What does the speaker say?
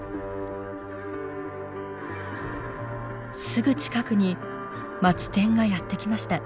すぐ近くにマツテンがやって来ました。